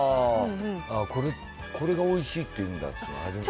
これがおいしいっていうんだっていうの初めて知った。